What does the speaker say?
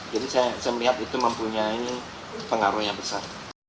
jadi saya melihat itu mempunyai pengaruh yang besar